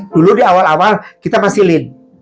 dulu di awal awal kita masih link